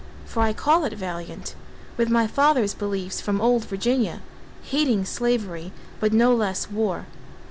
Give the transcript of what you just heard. For I call it valiant, With my father's beliefs from old Virginia: Hating slavery, but no less war.